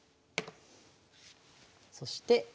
そして。